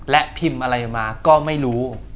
และพิมพ์อะไรมาก็ไม่รู้